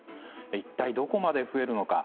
一体どこまで増えるのか。